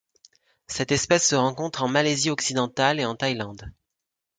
Cette espèce se rencontre en Malaisie occidentale et en Thaïlande.